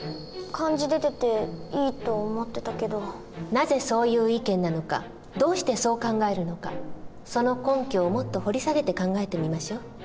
なぜそういう意見なのかどうしてそう考えるのかその根拠をもっと掘り下げて考えてみましょう。